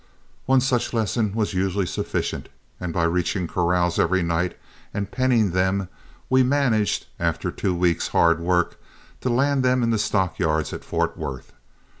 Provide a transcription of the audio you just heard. One such lesson was usually sufficient, and by reaching corrals every night and penning them, we managed, after two weeks' hard work, to land them in the stockyards at Fort Worth.